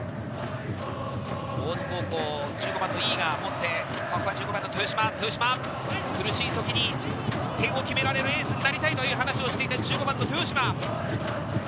大津高校、１５番の井伊が持って、１５番の豊嶋、苦しい時に点を決められるエースになりたいと話していた豊嶋。